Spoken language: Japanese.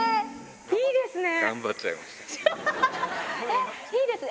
いいですね。